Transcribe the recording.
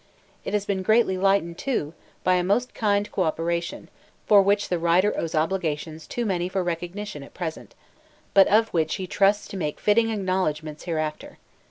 It has been greatly lightened, too, by a most kind co operation, for which the writer owes obligations too many for recognition at present, but of which he trusts to make fitting acknowledgment hereafter.